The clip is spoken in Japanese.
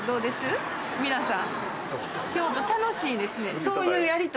皆さん。